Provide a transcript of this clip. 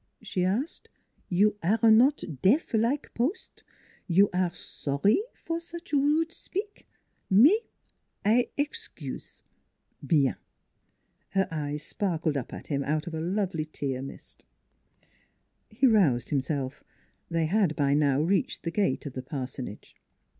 she asked. "You aire not deaf like post? You aire sor ry for such rud' spik? Me, I ex cuse. Bienf" Her eyes sparkled up at him out of a lovely tear mist. NEIGHBORS 221 He roused himself. They had by now reached the gate of the parsonage.